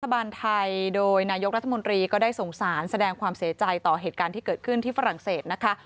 รัฐบาลไทยโดยนายกรัฐมนตรีก็ได้สงสารแสดงความเสียใจต่อเหตุการณ์ที่เกิดขึ้นที่ฝรั่งเศสนะคะ